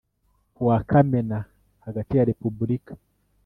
kuwa Kamena hagati ya Repubulika